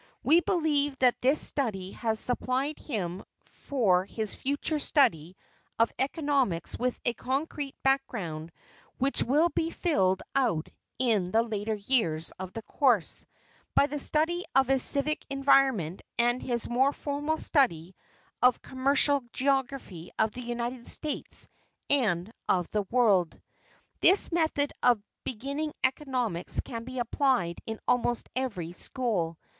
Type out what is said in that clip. We believe that this study has supplied him for his future study of economics with a concrete background which will be filled out in the later years of the course, by the study of his civic environment and his more formal study of commercial geography of the United States and of the world. This method of beginning economics can be applied in almost every school.